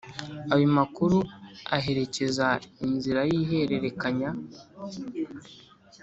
Ayo makuru aherekeza inzira y’ihererekanya